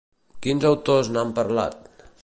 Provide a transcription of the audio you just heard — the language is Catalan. Quins autors n'han parlat?